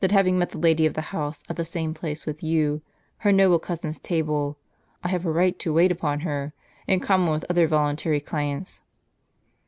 ing met the lady of the house at the same place with you, her noble cousin's table, I have a light to wait upon her, in common with other voluntary clients."